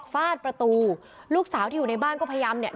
ฟาดประตูลูกสาวที่อยู่ในบ้านก็พยายามเนี่ย